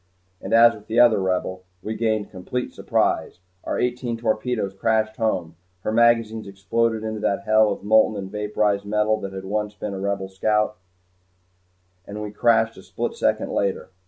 And as with the other Rebel we gained complete surprise. Our eighteen torpedoes crashed home, her magazines exploded, and into that hell of molten and vaporized metal that had once been a Rebel scout we crashed a split second later.